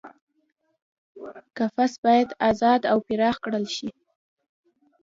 قفس باید ازاد او پراخ کړل شي.